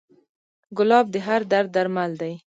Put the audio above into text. ګلاب د هر درد درمل دی.